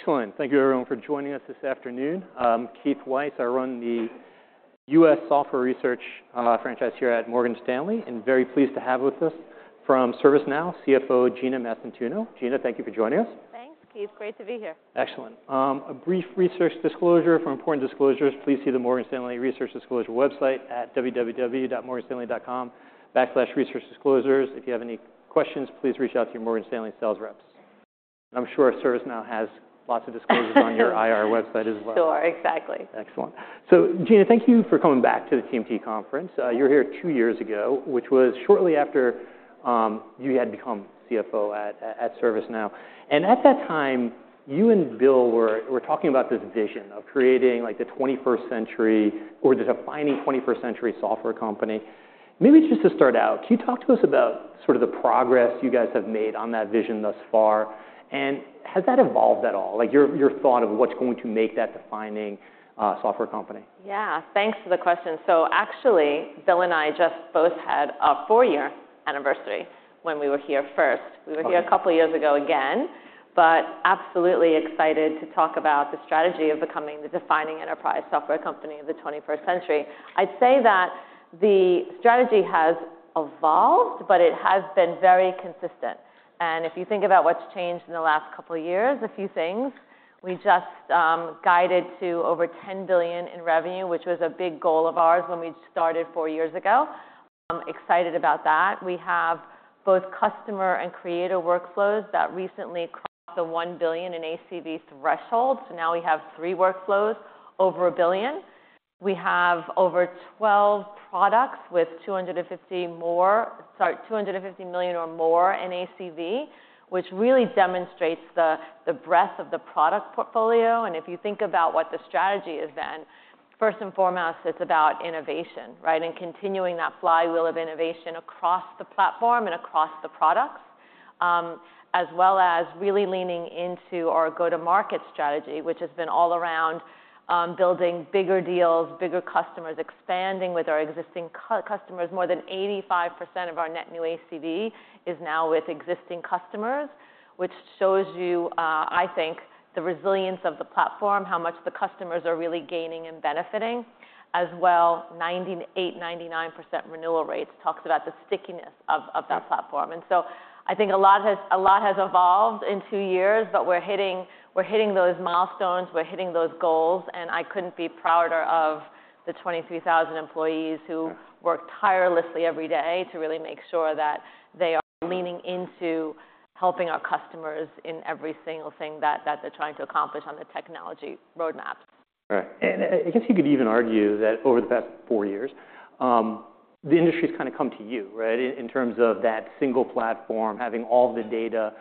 Excellent. Thank you, everyone, for joining us this afternoon. I'm Keith Weiss. I run the U.S. software research franchise here at Morgan Stanley, and very pleased to have with us from ServiceNow, CFO Gina Mastantuono. Gina, thank you for joining us. Thanks, Keith. Great to be here. Excellent. A brief research disclosure for important disclosures: please see the Morgan Stanley Research Disclosure website at www.morganstanley.com/researchdisclosures. If you have any questions, please reach out to your Morgan Stanley sales reps. I'm sure ServiceNow has lots of disclosures on your IR website as well. Sure, exactly. Excellent. So, Gina, thank you for coming back to the TMT Conference. You were here two years ago, which was shortly after you had become CFO at ServiceNow. And at that time, you and Bill were talking about this vision of creating the 21st century or the defining 21st century software company. Maybe just to start out, can you talk to us about sort of the progress you guys have made on that vision thus far? And has that evolved at all, your thought of what's going to make that defining software company? Yeah, thanks for the question. So actually, Bill and I just both had a four-year anniversary when we were here first. We were here a couple of years ago again, but absolutely excited to talk about the strategy of becoming the defining enterprise software company of the 21st century. I'd say that the strategy has evolved, but it has been very consistent. And if you think about what's changed in the last couple of years, a few things: we just guided to over $10 billion in revenue, which was a big goal of ours when we started four years ago. Excited about that. We have both Customer and Creator Workflows that recently crossed the $1 billion in ACV threshold. So now we have three workflows over $1 billion. We have over 12 products with $250 million or more in ACV, which really demonstrates the breadth of the product portfolio. If you think about what the strategy is then, first and foremost, it's about innovation, right, and continuing that flywheel of innovation across the platform and across the products, as well as really leaning into our go-to-market strategy, which has been all around building bigger deals, bigger customers, expanding with our existing customers. More than 85% of our net new ACV is now with existing customers, which shows you, I think, the resilience of the platform, how much the customers are really gaining and benefiting, as well as 98%, 99% renewal rates. Talks about the stickiness of that platform. So I think a lot has evolved in two years, but we're hitting those milestones. We're hitting those goals. I couldn't be prouder of the 23,000 employees who work tirelessly every day to really make sure that they are leaning into helping our customers in every single thing that they're trying to accomplish on the technology roadmaps. Right. And I guess you could even argue that over the past four years, the industry's kind of come to you, right, in terms of that single platform, having all of the data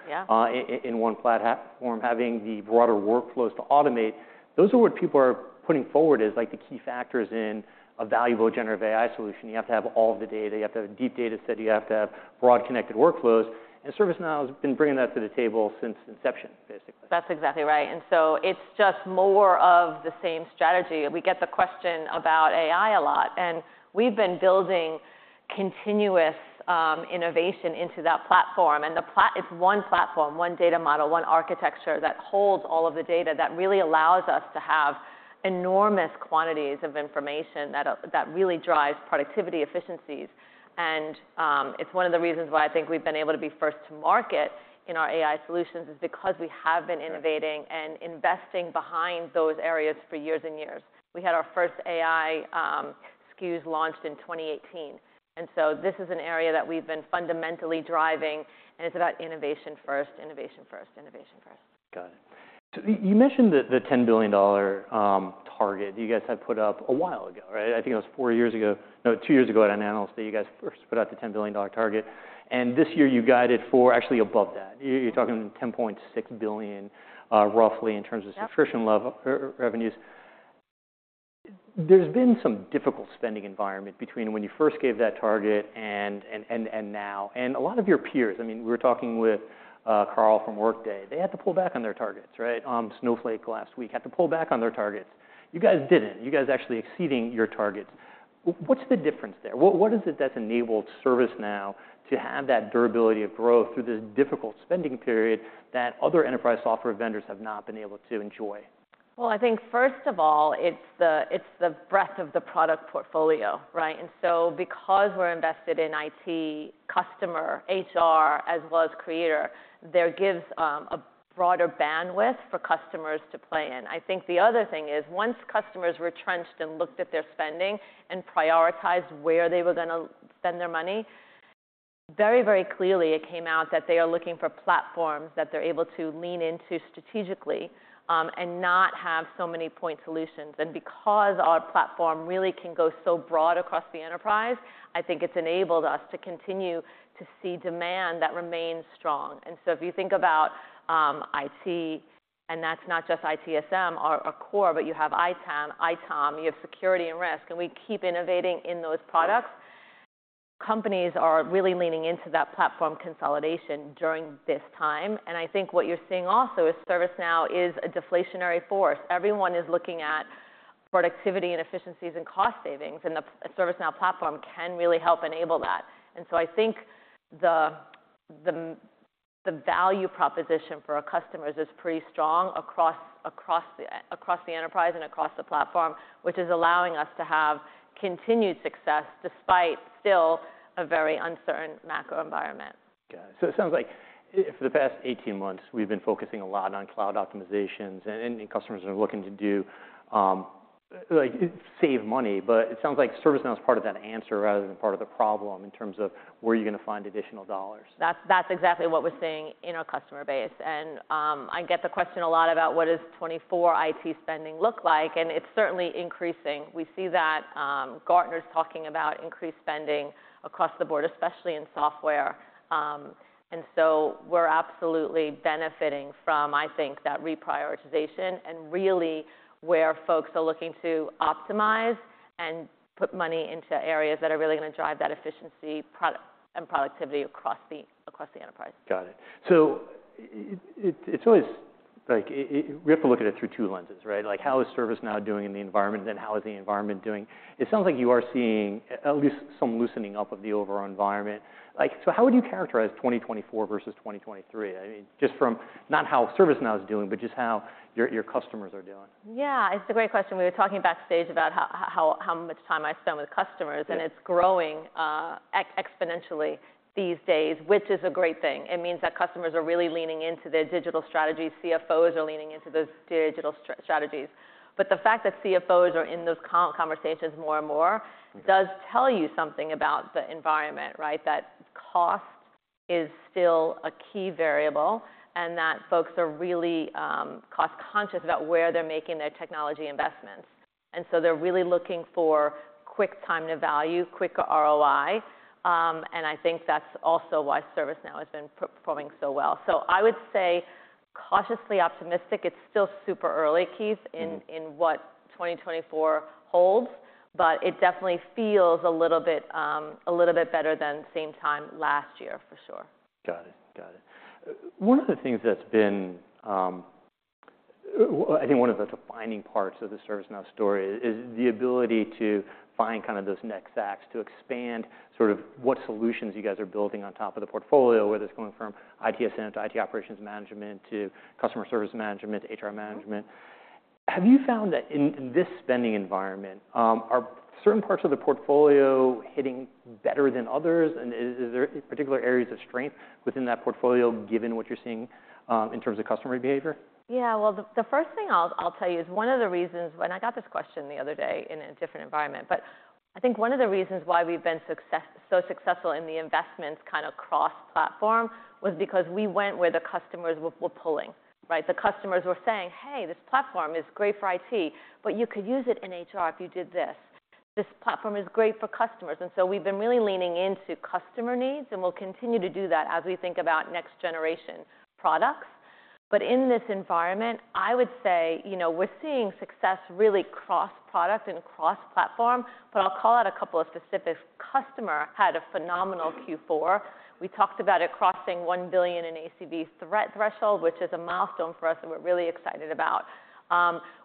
in one platform, having the broader workflows to automate. Those are what people are putting forward as the key factors in a valuable generative AI solution. You have to have all of the data. You have to have a deep data set. You have to have broad connected workflows. ServiceNow has been bringing that to the table since inception, basically. That's exactly right. So it's just more of the same strategy. We get the question about AI a lot. We've been building continuous innovation into that platform. It's one platform, one data model, one architecture that holds all of the data that really allows us to have enormous quantities of information that really drives productivity, efficiencies. It's one of the reasons why I think we've been able to be first to market in our AI solutions is because we have been innovating and investing behind those areas for years and years. We had our first AI SKUs launched in 2018. So this is an area that we've been fundamentally driving. It's about innovation first, innovation first, innovation first. Got it. So you mentioned the $10 billion target you guys had put up a while ago, right? I think it was four years ago. No, two years ago at Analyst Day, that you guys first put out the $10 billion target. And this year you guided for actually above that. You're talking $10.6 billion, roughly, in terms of subscription revenues. There's been some difficult spending environment between when you first gave that target and now. And a lot of your peers I mean, we were talking with Carl from Workday. They had to pull back on their targets, right? Snowflake last week had to pull back on their targets. You guys didn't. You guys actually exceeded your targets. What's the difference there? What is it that's enabled ServiceNow to have that durability of growth through this difficult spending period that other enterprise software vendors have not been able to enjoy? Well, I think first of all, it's the breadth of the product portfolio, right? And so because we're invested in IT, Customer, HR, as well as Creator, there gives a broader bandwidth for customers to play in. I think the other thing is, once customers were trenched and looked at their spending and prioritized where they were going to spend their money, very, very clearly it came out that they are looking for platforms that they're able to lean into strategically and not have so many point solutions. And because our platform really can go so broad across the enterprise, I think it's enabled us to continue to see demand that remains strong. And so if you think about IT and that's not just ITSM or core, but you have ITAM, you have Security and Risk. And we keep innovating in those products. Companies are really leaning into that platform consolidation during this time. I think what you're seeing also is ServiceNow is a deflationary force. Everyone is looking at productivity and efficiencies and cost savings. The ServiceNow platform can really help enable that. So I think the value proposition for our customers is pretty strong across the enterprise and across the platform, which is allowing us to have continued success despite still a very uncertain macro environment. Got it. So it sounds like for the past 18 months, we've been focusing a lot on cloud optimizations. And customers are looking to save money. But it sounds like ServiceNow is part of that answer rather than part of the problem in terms of where are you going to find additional dollars. That's exactly what we're seeing in our customer base. I get the question a lot about what does 2024 IT spending look like? It's certainly increasing. We see that. Gartner's talking about increased spending across the board, especially in software. So we're absolutely benefiting from, I think, that reprioritization and really where folks are looking to optimize and put money into areas that are really going to drive that efficiency and productivity across the enterprise. Got it. So it's always like we have to look at it through two lenses, right? How is ServiceNow doing in the environment, and then how is the environment doing? It sounds like you are seeing at least some loosening up of the overall environment. So how would you characterize 2024 versus 2023, just from not how ServiceNow is doing, but just how your customers are doing? Yeah, it's a great question. We were talking backstage about how much time I spend with customers. It's growing exponentially these days, which is a great thing. It means that customers are really leaning into their digital strategies. CFOs are leaning into those digital strategies. But the fact that CFOs are in those conversations more and more does tell you something about the environment, right, that cost is still a key variable and that folks are really cost-conscious about where they're making their technology investments. So they're really looking for quick time to value, quick ROI. I think that's also why ServiceNow has been performing so well. So I would say cautiously optimistic. It's still super early, Keith, in what 2024 holds. But it definitely feels a little bit better than same time last year, for sure. Got it, got it. One of the things that's been I think one of the defining parts of the ServiceNow story is the ability to find kind of those next acts to expand, sort of what solutions you guys are building on top of the portfolio, whether it's going from ITSM to IT Operations Management to Customer Service Management to HR Management. Have you found that in this spending environment, are certain parts of the portfolio hitting better than others? And is there particular areas of strength within that portfolio, given what you're seeing in terms of customer behavior? Yeah, well, the first thing I'll tell you is one of the reasons when I got this question the other day in a different environment, but I think one of the reasons why we've been so successful in the investments kind of cross-platform was because we went where the customers were pulling, right? The customers were saying, hey, this platform is great for IT, but you could use it in HR if you did this. This platform is great for customers. And so we've been really leaning into customer needs. And we'll continue to do that as we think about next-generation products. But in this environment, I would say we're seeing success really cross-product and cross-platform. But I'll call out a couple of specifics. Customer had a phenomenal Q4. We talked about it crossing $1 billion in ACV threshold, which is a milestone for us that we're really excited about.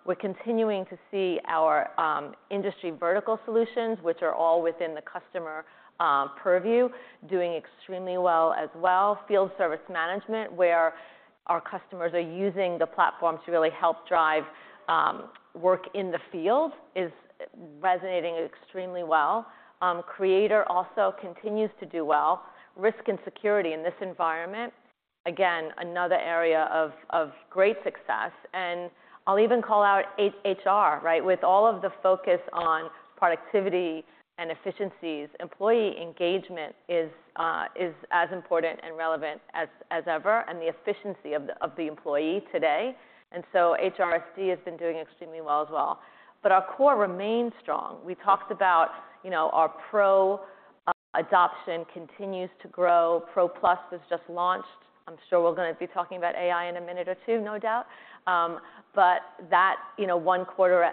We're continuing to see our industry vertical solutions, which are all within the customer purview, doing extremely well as well. Field Service Management, where our customers are using the platform to really help drive work in the field, is resonating extremely well. Creator also continues to do well. Risk and Security in this environment, again, another area of great success. I'll even call out HR, right? With all of the focus on productivity and efficiencies, employee engagement is as important and relevant as ever and the efficiency of the employee today. So HRSD has been doing extremely well as well. But our core remains strong. We talked about our Pro adoption continues to grow. Pro Plus was just launched. I'm sure we're going to be talking about AI in a minute or two, no doubt. But that one quarter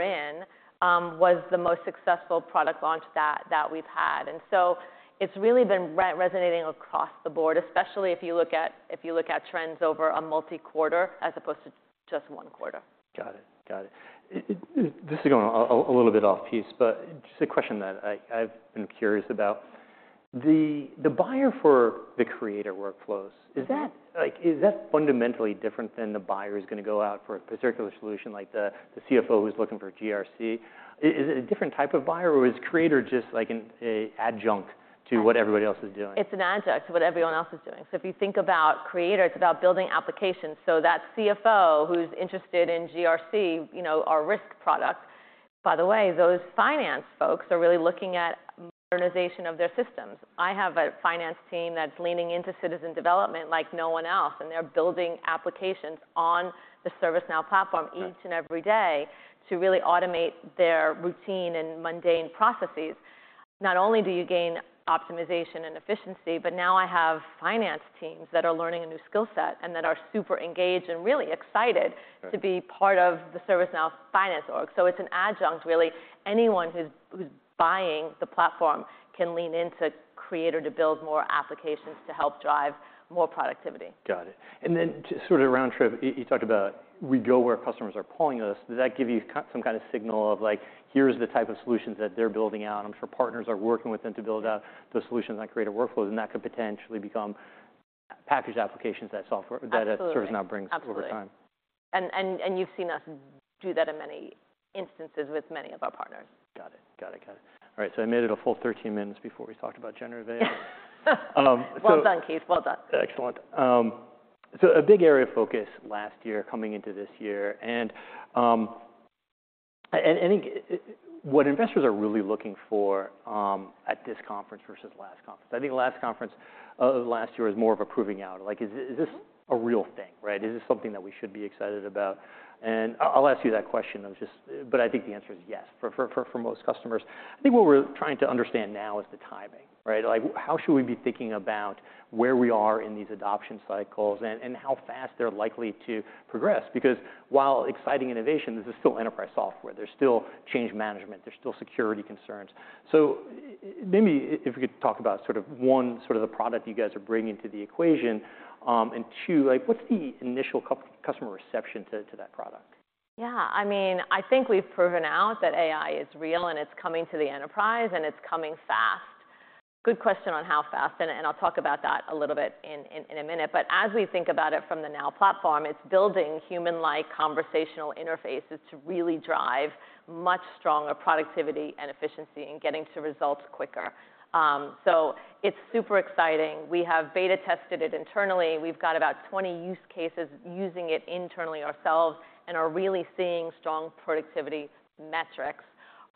in was the most successful product launch that we've had. And so it's really been resonating across the board, especially if you look at trends over a multi-quarter as opposed to just one quarter. Got it. This is going a little bit off piece, but just a question that I've been curious about. The buyer for the Creator Workflows, is that fundamentally different than the buyer is going to go out for a particular solution, like the CFO who's looking for GRC? Is it a different type of buyer, or is Creator just like an adjunct to what everybody else is doing? It's an adjunct to what everyone else is doing. So if you think about Creator, it's about building applications. So that CFO who's interested in GRC, our risk product, by the way, those finance folks are really looking at modernization of their systems. I have a finance team that's leaning into citizen development like no one else. And they're building applications on the ServiceNow platform each and every day to really automate their routine and mundane processes. Not only do you gain optimization and efficiency, but now I have finance teams that are learning a new skill set and that are super engaged and really excited to be part of the ServiceNow finance org. So it's an adjunct, really. Anyone who's buying the platform can lean into Creator to build more applications to help drive more productivity. Got it. And, then sort of round trip, you talked about we go where customers are pulling us. Does that give you some kind of signal of, like, here's the type of solutions that they're building out? And I'm sure partners are working with them to build out those solutions on Creator Workflows. And that could potentially become packaged applications that ServiceNow brings over time. Absolutely. And you've seen us do that in many instances with many of our partners. Got it, got it, got it. All right, so I made it a full 13 minutes before we talked about generative AI. Well done, Keith. Well done. Excellent. So a big area of focus last year coming into this year. I think what investors are really looking for at this conference versus last conference. I think last conference of last year was more of a proving out. Is this a real thing, right? Is this something that we should be excited about? And I'll ask you that question. But I think the answer is yes for most customers. I think what we're trying to understand now is the timing, right? How should we be thinking about where we are in these adoption cycles and how fast they're likely to progress? Because while exciting innovation, this is still enterprise software. There's still change management. There's still security concerns. So maybe if we could talk about sort of one, sort of the product you guys are bringing to the equation. And two, what's the initial customer reception to that product? Yeah, I mean, I think we've proven out that AI is real. It's coming to the enterprise. It's coming fast. Good question on how fast. I'll talk about that a little bit in a minute. But as we think about it from the Now Platform, it's building human-like conversational interfaces to really drive much stronger productivity and efficiency, and getting to results quicker. So it's super exciting. We have beta-tested it internally. We've got about 20 use cases using it internally ourselves and are really seeing strong productivity metrics.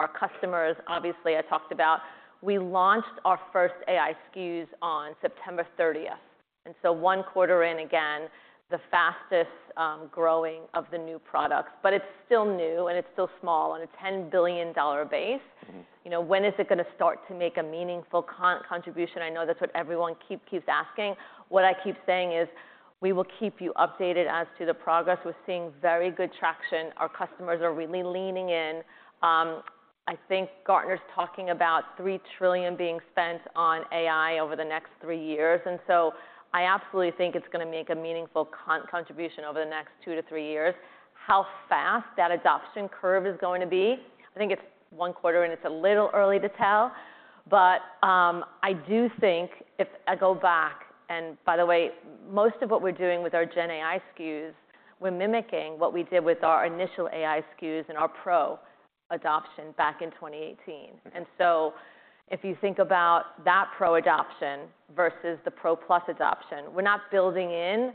Our customers, obviously, I talked about we launched our first AI SKUs on September 30th. So one quarter in, again, the fastest growing of the new products. But it's still new. It's still small. And a $10 billion base. When is it going to start to make a meaningful contribution? I know that's what everyone keeps asking. What I keep saying is, we will keep you updated as to the progress. We're seeing very good traction. Our customers are really leaning in. I think Gartner's talking about $3 trillion being spent on AI over the next three years. And so I absolutely think it's going to make a meaningful contribution over the next two to three years. How fast that adoption curve is going to be, I think it's one quarter. And it's a little early to tell. But I do think if I go back, and by the way, most of what we're doing with our GenAI SKUs, we're mimicking what we did with our initial AI SKUs and our Pro adoption back in 2018. And so if you think about that Pro adoption versus the Pro Plus adoption, we're not building in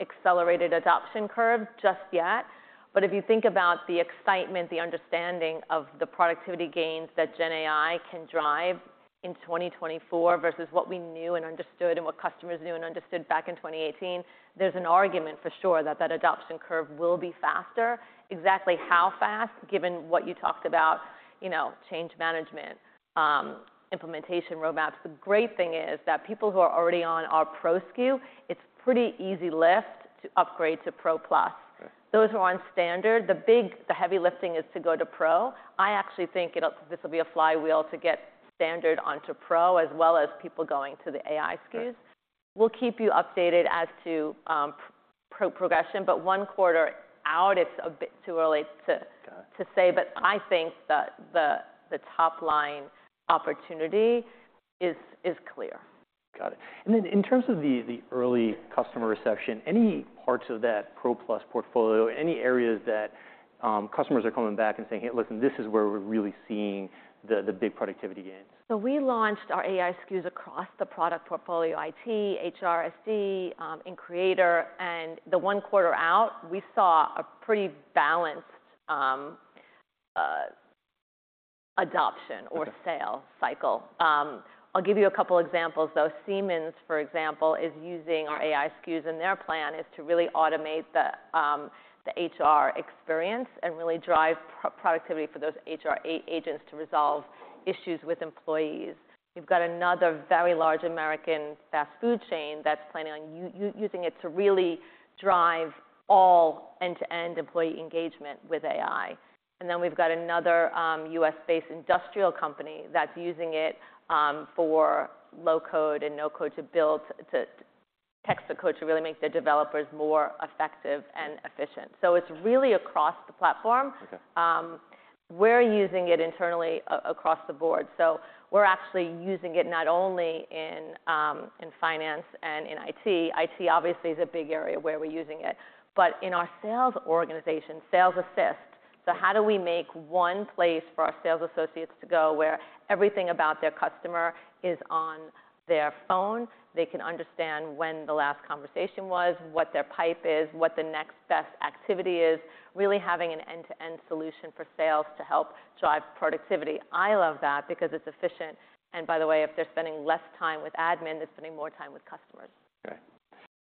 accelerated adoption curves just yet. But if you think about the excitement, the understanding of the productivity gains that GenAI can drive in 2024 versus what we knew and understood and what customers knew and understood back in 2018, there's an argument for sure that that adoption curve will be faster. Exactly how fast, given what you talked about, change management, implementation roadmaps. The great thing is that people who are already on our Pro SKU, it's pretty easy lift to upgrade to Pro Plus. Those who are on Standard, the heavy lifting is to go to Pro. I actually think this will be a flywheel to get Standard onto Pro as well as people going to the AI SKUs. We'll keep you updated as to progression. But one quarter out, it's a bit too early to say. But I think that the top line opportunity is clear. Got it. And then in terms of the early customer reception, any parts of that Pro Plus portfolio, any areas that customers are coming back and saying, hey, listen, this is where we're really seeing the big productivity gains? So we launched our AI SKUs across the product portfolio IT, HRSD, and Creator. The one quarter out, we saw a pretty balanced adoption or sale cycle. I'll give you a couple of examples, though. Siemens, for example, is using our AI SKUs. Their plan is to really automate the HR experience and really drive productivity for those HR agents to resolve issues with employees. We've got another very large American fast food chain that's planning on using it to really drive all end-to-end employee engagement with AI. Then we've got another U.S.-based industrial company that's using it for low-code and no-code to build, to test the code to really make their developers more effective and efficient. So it's really across the platform. We're using it internally across the board. So we're actually using it not only in finance and in IT. IT, obviously, is a big area where we're using it. But in our sales organization, SalesAssist. So how do we make one place for our sales associates to go where everything about their customer is on their phone? They can understand when the last conversation was, what their pipe is, what the next best activity is, really having an end-to-end solution for sales to help drive productivity. I love that because it's efficient. And by the way, if they're spending less time with admin, they're spending more time with customers. OK,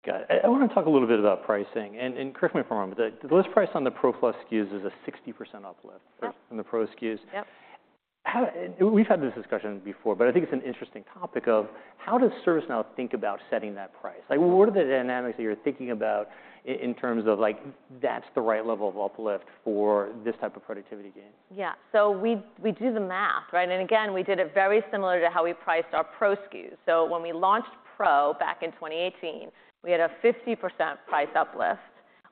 got it. I want to talk a little bit about pricing. Correct me for a moment. The list price on the Pro Plus SKUs is a 60% uplift on the Pro SKUs. We've had this discussion before. I think it's an interesting topic of, how does ServiceNow think about setting that price? What are the dynamics that you're thinking about in terms of, like, that's the right level of uplift for this type of productivity gains? Yeah, so we do the math, right? And again, we did it very similar to how we priced our Pro SKUs. So when we launched Pro back in 2018, we had a 50% price uplift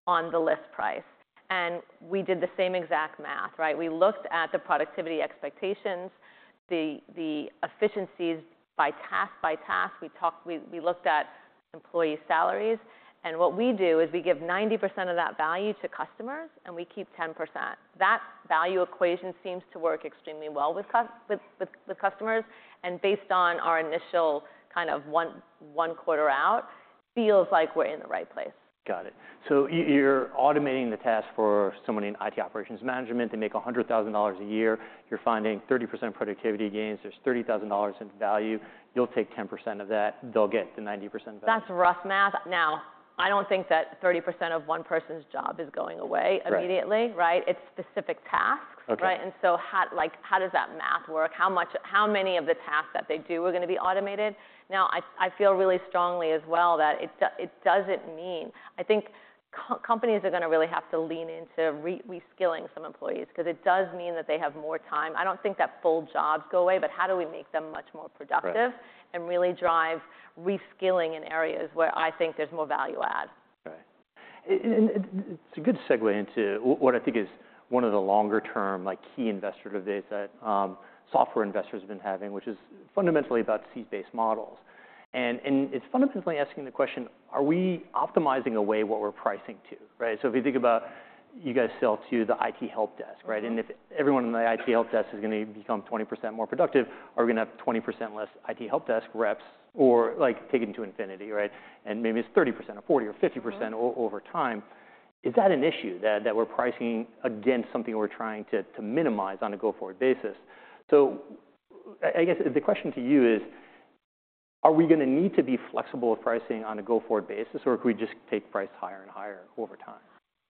on the list price. And we did the same exact math, right? We looked at the productivity expectations, the efficiencies by task by task. We looked at employee salaries. And what we do is we give 90% of that value to customers. And we keep 10%. That value equation seems to work extremely well with customers. And based on our initial kind of one quarter out, feels like we're in the right place. Got it. So you're automating the task for somebody in IT Operations Management. They make $100,000 a year. You're finding 30% productivity gains. There's $30,000 in value. You'll take 10% of that. They'll get the 90% value. That's rough math. Now, I don't think that 30% of one person's job is going away immediately, right? It's specific tasks, right? And so how does that math work? How many of the tasks that they do are going to be automated? Now, I feel really strongly as well that it doesn't mean I think companies are going to really have to lean into reskilling some employees because it does mean that they have more time. I don't think that full jobs go away. But how do we make them much more productive and really drive reskilling in areas where I think there's more value add? Ok. And it's a good segue into what I think is one of the longer-term key investor debates that software investors have been having, which is fundamentally about CS-based models. And it's fundamentally asking the question, are we optimizing away what we're pricing to, right? So if you think about you guys sell to the IT help desk, right? And if everyone in the IT help desk is going to become 20% more productive, are we going to have 20% less IT help desk reps or take it into infinity, right? And maybe it's 30% or 40% or 50% over time. Is that an issue that we're pricing against something we're trying to minimize on a go-forward basis? So I guess the question to you is, are we going to need to be flexible with pricing on a go-forward basis? Or could we just take price higher and higher over time?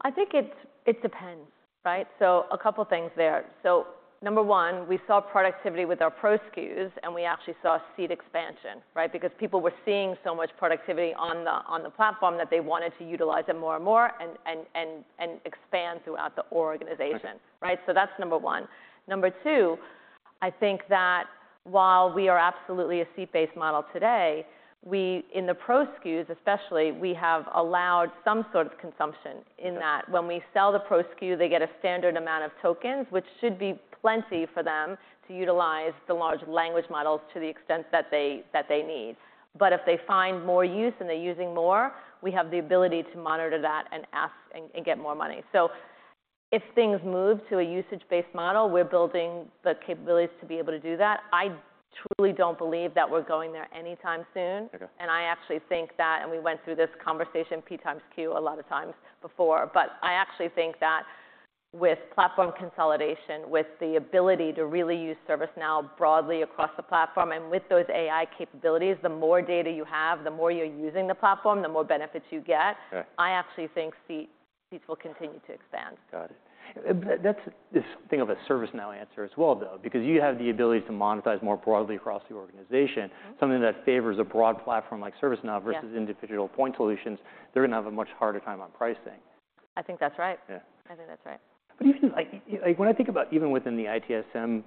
I think it depends, right? So a couple of things there. So number one, we saw productivity with our Pro SKUs. And we actually saw seat expansion, right? Because people were seeing so much productivity on the platform that they wanted to utilize it more and more and expand throughout the organization, right? So that's number one. Number two, I think that while we are absolutely a seat-based model today, in the Pro SKUs especially, we have allowed some sort of consumption in that. When we sell the Pro SKU, they get a standard amount of tokens, which should be plenty for them to utilize the large language models to the extent that they need. But if they find more use and they're using more, we have the ability to monitor that and ask and get more money. So if things move to a usage-based model, we're building the capabilities to be able to do that. I truly don't believe that we're going there any time soon. And I actually think that, and we went through this conversation many times a lot of times before. But I actually think that with platform consolidation, with the ability to really use ServiceNow broadly across the platform and with those AI capabilities, the more data you have, the more you're using the platform, the more benefits you get, I actually think seats will continue to expand. Got it. That's this thing of a ServiceNow answer as well, though, because you have the ability to monetize more broadly across the organization, something that favors a broad platform like ServiceNow versus individual point solutions. They're going to have a much harder time on pricing. I think that's right. But even when I think about even within the ITSM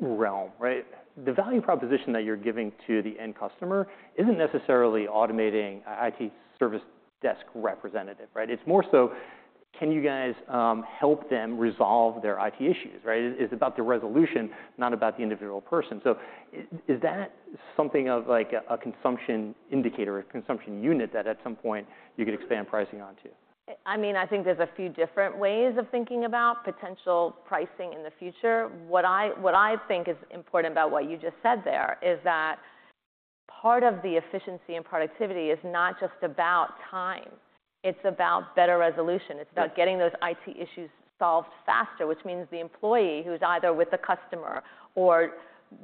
realm, right, the value proposition that you're giving to the end customer isn't necessarily automating IT service desk representative, right? It's more so, can you guys help them resolve their IT issues, right? It's about the resolution, not about the individual person. So is that something of a consumption indicator or consumption unit that at some point you could expand pricing onto? I mean, I think there's a few different ways of thinking about potential pricing in the future. What I think is important about what you just said there is that part of the efficiency and productivity is not just about time. It's about better resolution. It's about getting those IT issues solved faster, which means the employee who's either with the customer or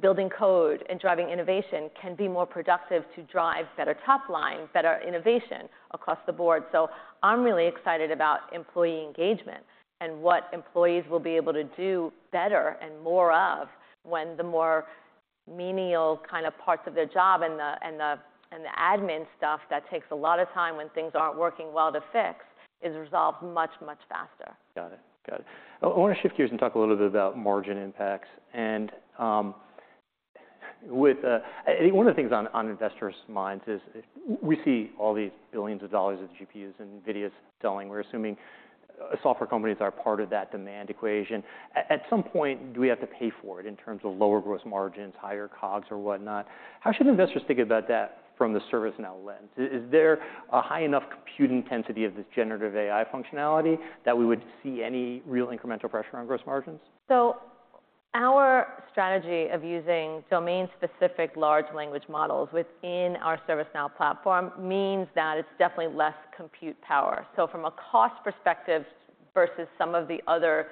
building code and driving innovation can be more productive to drive better top line, better innovation across the board. So I'm really excited about employee engagement and what employees will be able to do better and more of when the more menial kind of parts of their job and the admin stuff that takes a lot of time when things aren't working well to fix is resolved much, much faster. Got it, got it. I want to shift gears and talk a little bit about margin impacts. One of the things on investors' minds is we see all these $ billions of the GPUs and NVIDIA's selling. We're assuming software companies are part of that demand equation. At some point, do we have to pay for it in terms of lower gross margins, higher COGS, or whatnot? How should investors think about that from the ServiceNow lens? Is there a high enough compute intensity of this generative AI functionality that we would see any real incremental pressure on gross margins? So our strategy of using domain-specific large language models within our ServiceNow platform means that it's definitely less compute power. So from a cost perspective versus some of the other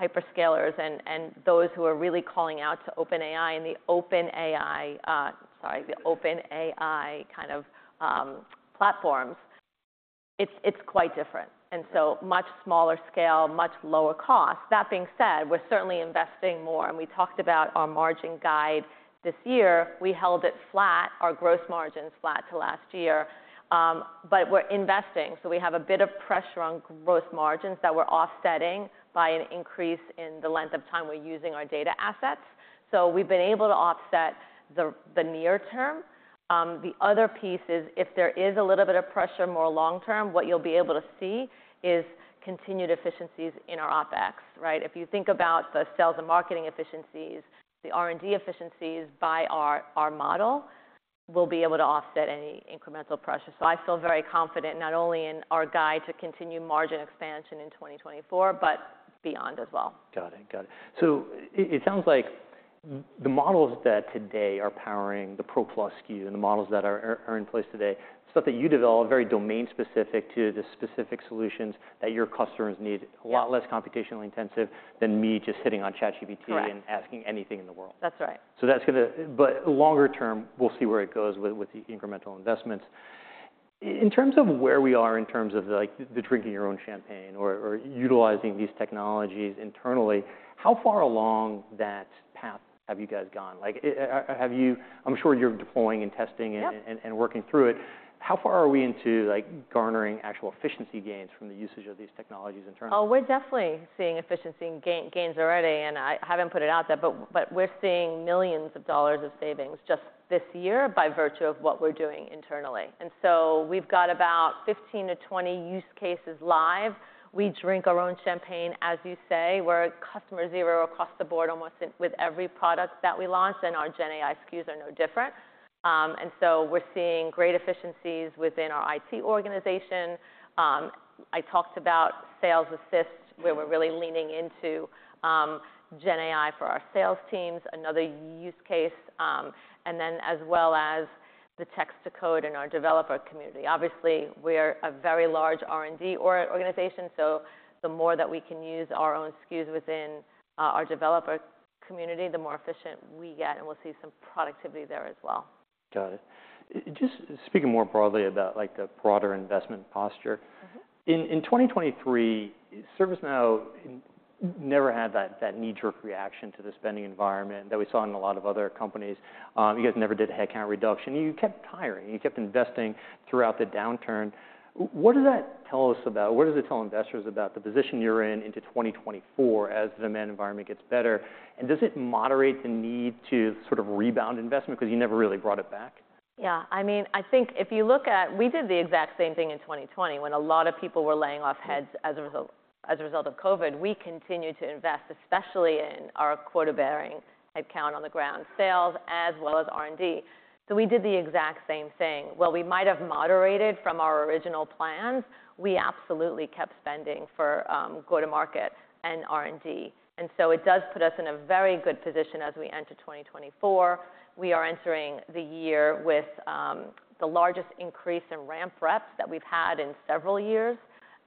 hyperscalers and those who are really calling out to OpenAI and the OpenAI kind of platforms, it's quite different. And so much smaller scale, much lower cost. That being said, we're certainly investing more. And we talked about our margin guide this year. We held it flat, our gross margins flat to last year. But we're investing. So we have a bit of pressure on gross margins that we're offsetting by an increase in the length of time we're using our data assets. So we've been able to offset the near term. The other piece is if there is a little bit of pressure more long term, what you'll be able to see is continued efficiencies in our OpEx, right? If you think about the sales and marketing efficiencies, the R&D efficiencies by our model, we'll be able to offset any incremental pressure. So I feel very confident not only in our guide to continue margin expansion in 2024 but beyond as well. Got it, got it. So it sounds like the models that today are powering the Pro Plus SKU and the models that are in place today, stuff that you develop, very domain-specific to the specific solutions that your customers need, a lot less computationally intensive than me just hitting on ChatGPT and asking anything in the world. That's right. So that's going to, but longer term, we'll see where it goes with the incremental investments. In terms of where we are in terms of the drinking your own champagne or utilizing these technologies internally, how far along that path have you guys gone? I'm sure you're deploying and testing and working through it. How far are we into garnering actual efficiency gains from the usage of these technologies internally? Oh, we're definitely seeing efficiency gains already. And I haven't put it out there. But we're seeing millions of dollars of savings just this year by virtue of what we're doing internally. And so we've got about 15-20 use cases live. We drink our own champagne, as you say. We're customer zero across the board almost with every product that we launch. And our GenAI SKUs are no different. And so we're seeing great efficiencies within our IT organization. I talked about sales assist, where we're really leaning into GenAI for our sales teams, another use case, and then as well as the text-to-code in our developer community. Obviously, we're a very large R&D organization. So the more that we can use our own SKUs within our developer community, the more efficient we get. And we'll see some productivity there as well. Got it. Just speaking more broadly about the broader investment posture, in 2023, ServiceNow never had that knee-jerk reaction to the spending environment that we saw in a lot of other companies. You guys never did a headcount reduction. You kept hiring. You kept investing throughout the downturn. What does that tell us about what does it tell investors about the position you're in into 2024 as the demand environment gets better? And does it moderate the need to sort of rebound investment because you never really brought it back? Yeah, I mean, I think if you look at, we did the exact same thing in 2020 when a lot of people were laying off heads as a result of COVID. We continued to invest, especially in our quota-bearing headcount on the ground sales as well as R&D. So we did the exact same thing. While we might have moderated from our original plans, we absolutely kept spending for go-to-market and R&D. And so it does put us in a very good position as we enter 2024. We are entering the year with the largest increase in ramp reps that we've had in several years.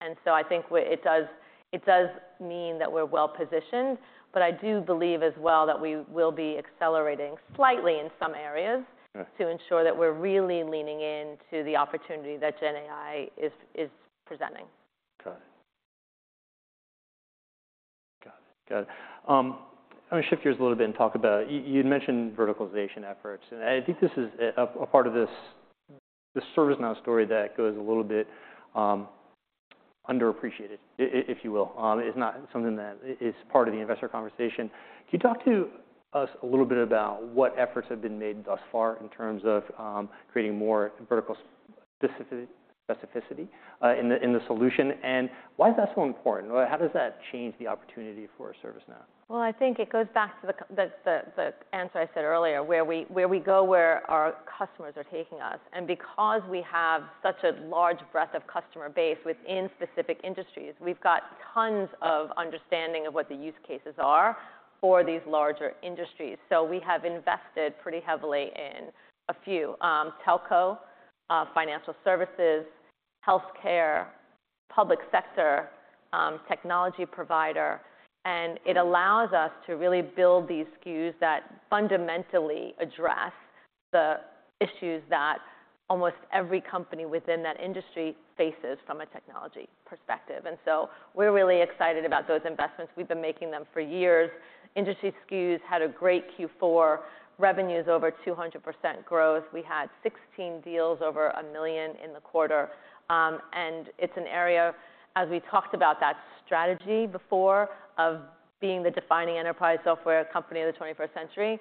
And so I think it does mean that we're well positioned. But I do believe as well that we will be accelerating slightly in some areas to ensure that we're really leaning into the opportunity that GenAI is presenting. Got it. I want to shift gears a little bit and talk about you had mentioned verticalization efforts. I think this is a part of this ServiceNow story that goes a little bit underappreciated, if you will. It's not something that is part of the investor conversation. Can you talk to us a little bit about what efforts have been made thus far in terms of creating more vertical specificity in the solution? And why is that so important? How does that change the opportunity for ServiceNow? Well, I think it goes back to the answer I said earlier, where we go where our customers are taking us. And because we have such a large breadth of customer base within specific industries, we've got tons of understanding of what the use cases are for these larger industries. So we have invested pretty heavily in a few telco, financial services, health care, public sector technology provider. And it allows us to really build these SKUs that fundamentally address the issues that almost every company within that industry faces from a technology perspective. And so we're really excited about those investments. We've been making them for years. Industry SKUs had a great Q4, revenues over 200% growth. We had 16 deals over $1 million in the quarter. It's an area, as we talked about that strategy before of being the defining enterprise software company of the 21st century,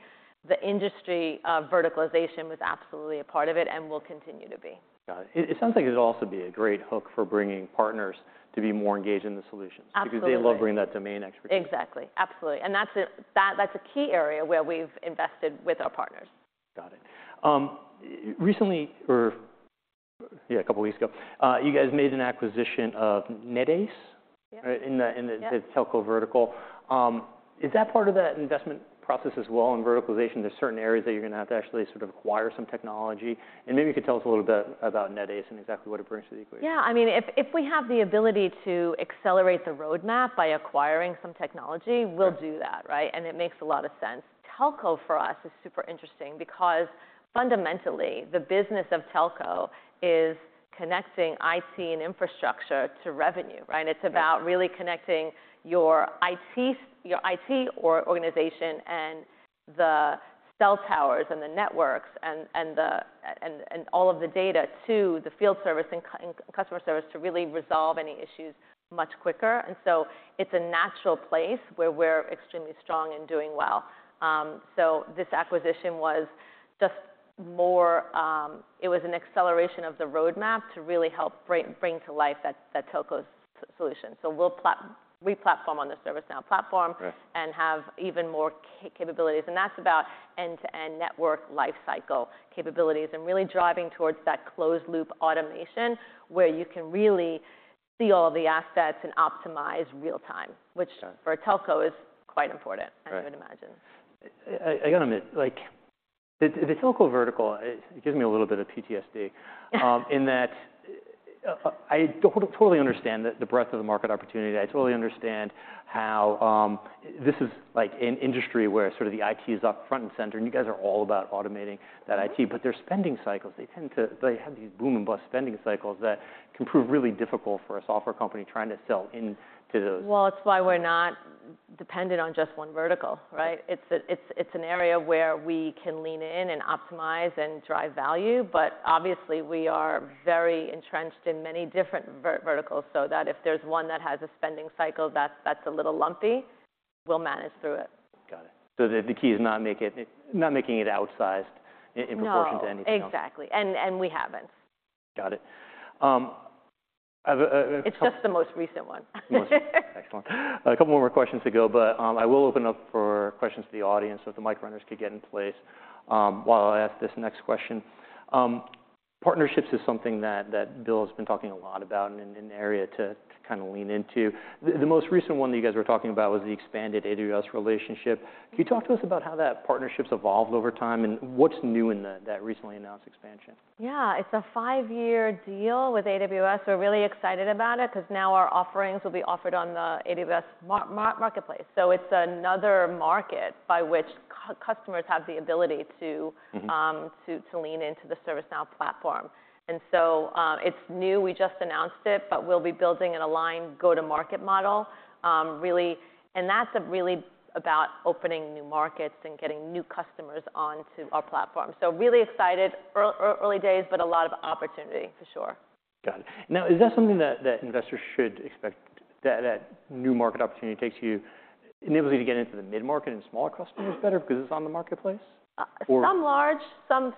the industry verticalization was absolutely a part of it and will continue to be. Got it. It sounds like it'll also be a great hook for bringing partners to be more engaged in the solutions because they love bringing that domain expertise. Exactly, absolutely. That's a key area where we've invested with our partners. Got it. Recently, or yeah, a couple of weeks ago, you guys made an acquisition of NetACE, right, in the telco vertical. Is that part of that investment process as well in verticalization? There's certain areas that you're going to have to actually sort of acquire some technology. And maybe you could tell us a little bit about NetACE and exactly what it brings to the equation. Yeah, I mean, if we have the ability to accelerate the roadmap by acquiring some technology, we'll do that, right? And it makes a lot of sense. Telco for us is super interesting because fundamentally, the business of telco is connecting IT and infrastructure to revenue, right? It's about really connecting your IT organization and the cell towers and the networks and all of the data to the field service and customer service to really resolve any issues much quicker. And so it's a natural place where we're extremely strong and doing well. So this acquisition was just an acceleration of the roadmap to really help bring to life that telco solution. So we'll replatform on the ServiceNow platform and have even more capabilities. That's about end-to-end network lifecycle capabilities and really driving towards that Closed-Loop Automation where you can really see all of the assets and optimize real time, which for a telco is quite important, as you would imagine. I got to admit, the telco vertical, it gives me a little bit of PTSD in that I totally understand the breadth of the market opportunity. I totally understand how this is an industry where sort of the IT is up front and center. And you guys are all about automating that IT. But there's spending cycles. They have these boom and bust spending cycles that can prove really difficult for a software company trying to sell into those. Well, it's why we're not dependent on just one vertical, right? It's an area where we can lean in and optimize and drive value. But obviously, we are very entrenched in many different verticals so that if there's one that has a spending cycle that's a little lumpy, we'll manage through it. Got it. The key is not making it outsized in proportion to anything else. No, exactly. And we haven't. Got it. It's just the most recent one. Excellent. A couple more questions to go. But I will open up for questions to the audience, so if the mic runners could get in place while I ask this next question. Partnerships is something that Bill has been talking a lot about and an area to kind of lean into. The most recent one that you guys were talking about was the expanded AWS relationship. Can you talk to us about how that partnership's evolved over time? And what's new in that recently announced expansion? Yeah, it's a five-year deal with AWS. We're really excited about it because now our offerings will be offered on the AWS Marketplace. So it's another market by which customers have the ability to lean into the ServiceNow platform. And so it's new. We just announced it. But we'll be building an aligned go-to-market model really. And that's really about opening new markets and getting new customers onto our platform. So really excited, early days, but a lot of opportunity for sure. Got it. Now, is that something that investors should expect, that new market opportunity takes you enables you to get into the mid-market and smaller customers better because it's on the Marketplace? Some large, some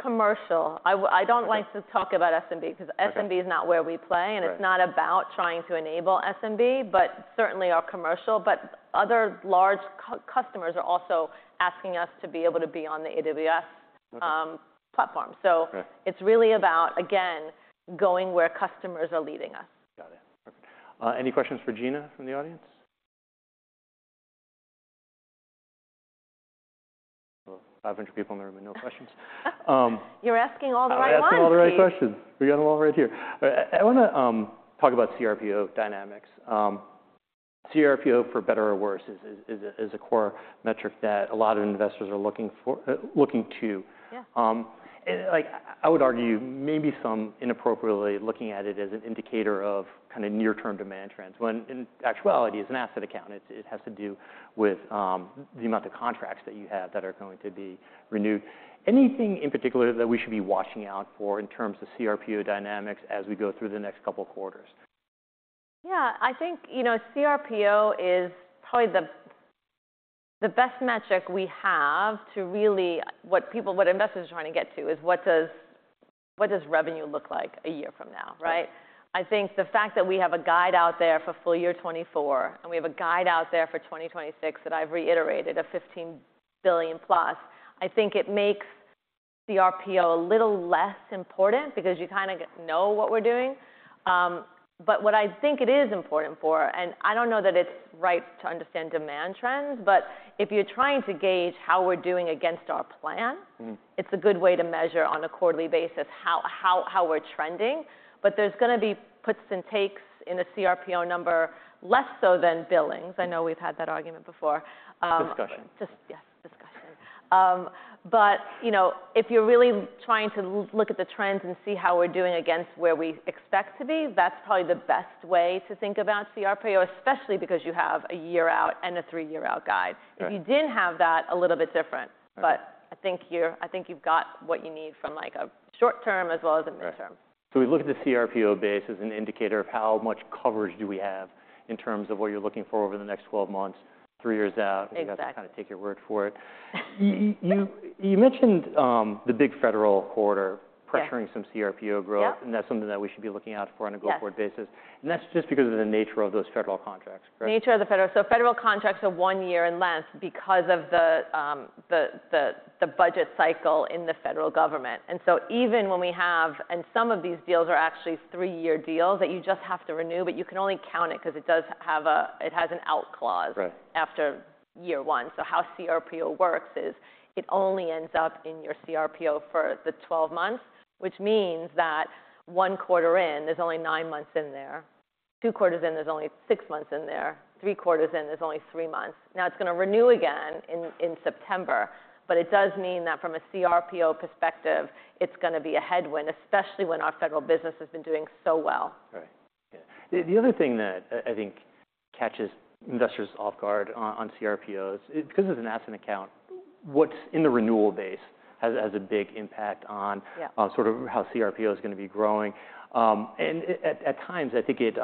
commercial. I don't like to talk about SMB because SMB is not where we play. And it's not about trying to enable SMB but certainly our commercial. But other large customers are also asking us to be able to be on the AWS platform. So it's really about, again, going where customers are leading us. Got it. Any questions for Gina from the audience? 500 people in the room and no questions. You're asking all the right ones. I'm asking all the right questions. We got them all right here. I want to talk about cRPO dynamics. cRPO, for better or worse, is a core metric that a lot of investors are looking to. I would argue maybe some inappropriately looking at it as an indicator of kind of near-term demand trends. When in actuality, it's an asset account. It has to do with the amount of contracts that you have that are going to be renewed. Anything in particular that we should be watching out for in terms of cRPO dynamics as we go through the next couple of quarters? Yeah, I think cRPO is probably the best metric we have to really what investors are trying to get to is what does revenue look like a year from now, right? I think the fact that we have a guide out there for full year 2024 and we have a guide out there for 2026 that I've reiterated, a $15 billion+, I think it makes cRPO a little less important because you kind of know what we're doing. But what I think it is important for and I don't know that it's right to understand demand trends. But if you're trying to gauge how we're doing against our plan, it's a good way to measure on a quarterly basis how we're trending. But there's going to be puts and takes in a cRPO number less so than billings. I know we've had that argument before. Discussion. Yes, discussion. But if you're really trying to look at the trends and see how we're doing against where we expect to be, that's probably the best way to think about cRPO, especially because you have a year-out and a three-year-out guide. If you didn't have that, a little bit different. But I think you've got what you need from a short term as well as a mid-term. We look at the cRPO base as an indicator of how much coverage do we have in terms of what you're looking for over the next 12 months, three years out. We got to kind of take your word for it. You mentioned the big federal quarter pressuring some cRPO growth. That's something that we should be looking out for on a go-forward basis. That's just because of the nature of those federal contracts, correct? Nature of the federal, so federal contracts are one year in length because of the budget cycle in the federal government. And so even when we have and some of these deals are actually three-year deals that you just have to renew. But you can only count it because it does have a it has an out clause after year one. So how cRPO works is it only ends up in your cRPO for the 12 months, which means that one quarter in, there's only nine months in there. Two quarters in, there's only six months in there. Three quarters in, there's only three months. Now, it's going to renew again in September. But it does mean that from a cRPO perspective, it's going to be a headwind, especially when our federal business has been doing so well. Right, yeah. The other thing that I think catches investors off guard on cRPOs because it's an asset account, what's in the renewal base has a big impact on sort of how cRPO is going to be growing. At times, I think it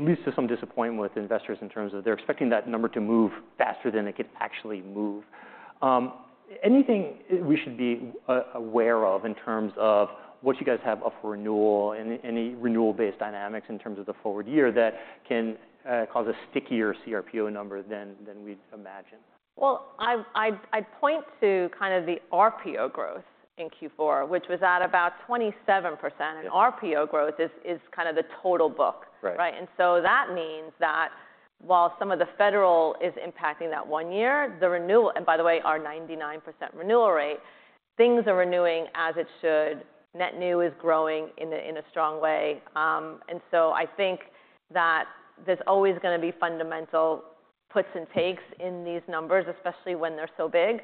leads to some disappointment with investors in terms of they're expecting that number to move faster than it could actually move. Anything we should be aware of in terms of what you guys have up for renewal and any renewal-based dynamics in terms of the forward year that can cause a stickier cRPO number than we'd imagine? Well, I'd point to kind of the RPO growth in Q4, which was at about 27%. And RPO growth is kind of the total book, right? And so that means that while some of the federal is impacting that one year, the renewal and by the way, our 99% renewal rate, things are renewing as it should. Net new is growing in a strong way. And so I think that there's always going to be fundamental puts and takes in these numbers, especially when they're so big.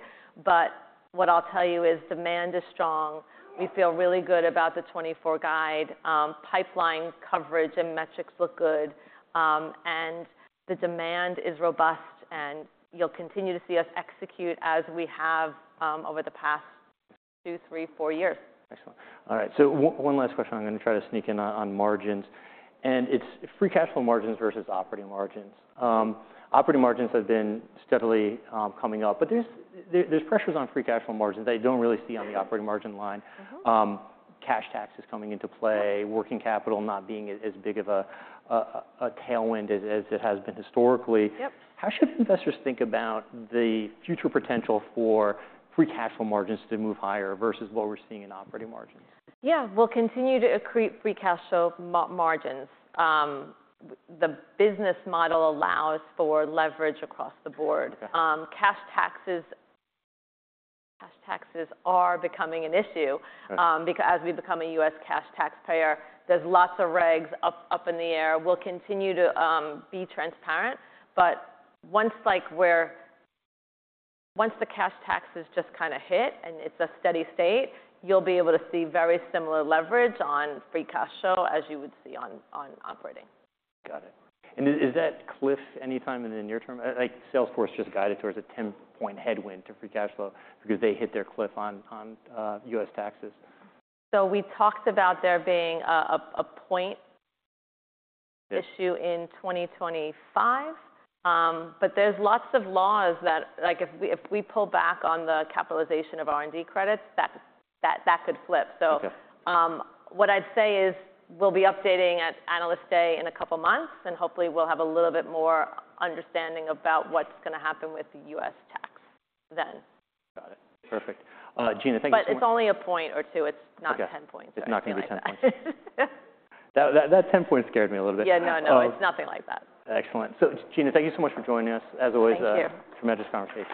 But what I'll tell you is demand is strong. We feel really good about the 2024 guide. Pipeline coverage and metrics look good. And the demand is robust. And you'll continue to see us execute as we have over the past two, three, four years. Excellent. All right, so one last question. I'm going to try to sneak in on margins. It's free cash flow margins versus operating margins. Operating margins have been steadily coming up. But there's pressures on free cash flow margins that you don't really see on the operating margin line. Cash tax is coming into play, working capital not being as big of a tailwind as it has been historically. How should investors think about the future potential for free cash flow margins to move higher versus what we're seeing in operating margins? Yeah, we'll continue to accrete free cash flow margins. The business model allows for leverage across the board. Cash taxes are becoming an issue because as we become a U.S. cash tax payer, there's lots of regs up in the air. We'll continue to be transparent. But once the cash taxes just kind of hit and it's a steady state, you'll be able to see very similar leverage on free cash flow as you would see on operating. Got it. And is that cliff any time in the near term? Salesforce just guided towards a 10-point headwind to free cash flow because they hit their cliff on U.S. taxes. So we talked about there being a point issue in 2025. But there's lots of laws that if we pull back on the capitalization of R&D credits, that could flip. So what I'd say is we'll be updating at Analyst Day in a couple of months. And hopefully, we'll have a little bit more understanding about what's going to happen with the U.S. tax then. Got it, perfect. Gina, thank you so much. But it's only a point or two. It's not 10 points. It's not going to be 10 points. That 10 point scared me a little bit. Yeah, no, no. It's nothing like that. Excellent. So, Gina, thank you so much for joining us. As always, a tremendous conversation.